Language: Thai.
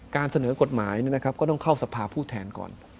เสนอกฎหมายก็ต้องเข้าสภาผู้แทนก่อน